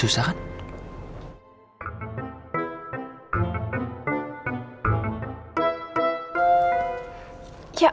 lu mau ke depan karin